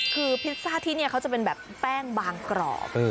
คือพิซซ่าที่นี่เขาจะเป็นแบบแป้งบางกรอบ